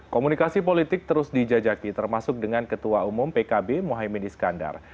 komunikasi politik terus dijajaki termasuk dengan ketua umum pkb mohaimin iskandar